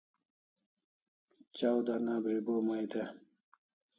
Chaw dana bribo mai de